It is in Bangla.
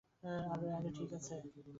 আরে ঠিক আছে।